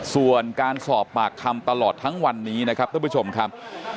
ส่วนการสอบปากคำตลอดทั้งวันนี้นะครับท่านผู้ชมครับ